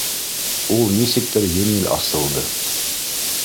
Ул нисектер еңел асылды.